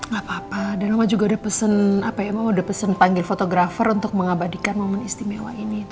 gapapa dan mama juga udah pesen panggil fotografer untuk mengabadikan momen istimewa ini